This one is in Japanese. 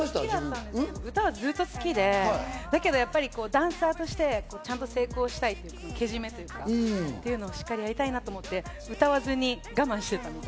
歌はずっと好きで、だけどやっぱり、ダンサーとしてちゃんと成功したいっていう、けじめっていうか、しっかりやりたいと思って歌わずに我慢してた。